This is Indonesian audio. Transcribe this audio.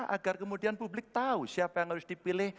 agar kemudian publik tahu siapa yang harus dipilih